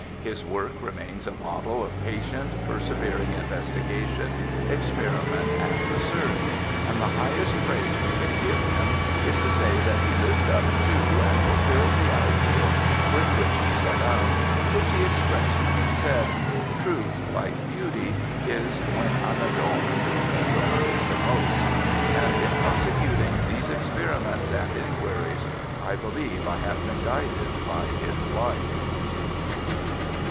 His work remains a model of patient, perse vering investigation, experiment, and research, and the highest praise we can give him is to say that he lived up to and fulfilled the ideals with which he set out, and which he expressed when he said :' Truth, like beauty, is "when unadorned, adorned the most", and, in prosecuting these experiments and inquiries, I believe I have been guided by its light.'